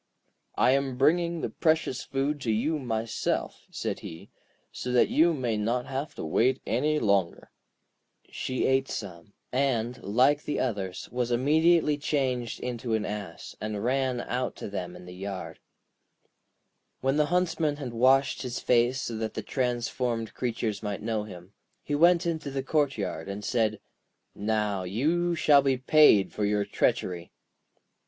'I am bringing the precious food to you myself,' said he, 'so that you may not have to wait any longer.' She ate some, and, like the others, was immediately changed into an ass, and ran out to them in the yard. [Illustration: He tied them all together and drove them along till he came to a mill.] When the Huntsman had washed his face so that the transformed creatures might know him, he went into the courtyard, and said: 'Now, you shall be paid for your treachery.'